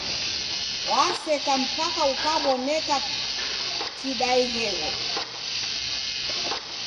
Waseka, mpaka ukaw'oneka kidaighegho.